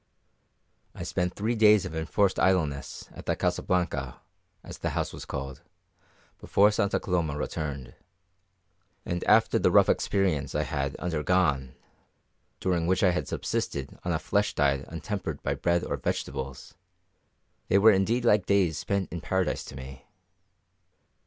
I spent three days of enforced idleness at the Casa Blanca, as the house was called, before Santa Coloma returned, and after the rough experience I had undergone, during which I had subsisted on a flesh diet untempered by bread or vegetables, they were indeed like days spent in paradise to me.